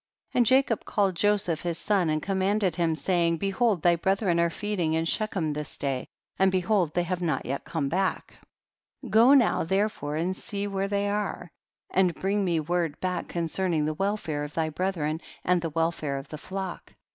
20. A.nd Jacob called Joseph his son, and commanded him, saying, be hold thy brethren are feeding in She chem this day, and behold tiiey have not yet come back ; go now there fore and see where they are, and bring me word back concerning the wel fare of thy brethren and the welfare of the flock.